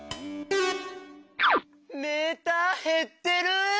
メーターへってる！